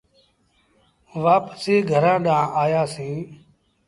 وآپسيٚ گھرآݩ ڏآنهن آيآ سيٚݩ۔